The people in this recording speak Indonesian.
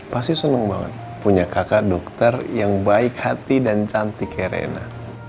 pasti seneng banget punya kakak dokter yang baik hati dan cantik kayak rena